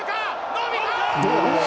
伸びた！